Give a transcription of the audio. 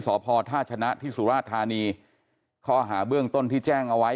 สพท่าชนะที่สุราชธานีข้อหาเบื้องต้นที่แจ้งเอาไว้